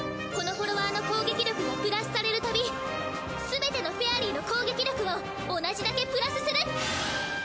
このフォロワーの攻撃力がプラスされるたびすべてのフェアリーの攻撃力を同じだけプラスする！